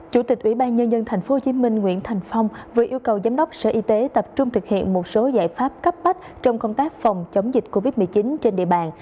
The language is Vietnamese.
chủ tịch ủy ban nhân dân thành phố hồ chí minh nguyễn thành phong vừa yêu cầu giám đốc sở y tế tập trung thực hiện một số giải pháp cấp bách trong công tác phòng chống dịch covid một mươi chín trên địa bàn